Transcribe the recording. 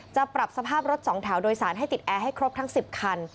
จะปรับสภาพรถ๒แถวโดยสารให้ติดแอร์ให้ครบทั้ง๑๐คัน